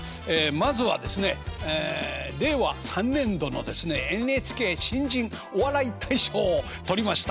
まずはですねええ令和３年度のですねＮＨＫ新人お笑い大賞を取りました